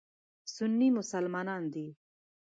سني مسلمانان دي.